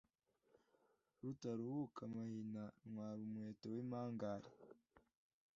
Rutaruhuka amahina ntwara umuheto w’impangare,